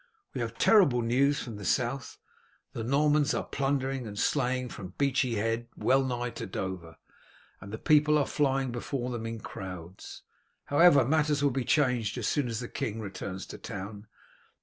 We have terrible news from the South. The Normans are plundering and slaying from Beachy Head well nigh to Dover, and the people are flying before them in crowds. However, matters will be changed as soon as the king returns to town.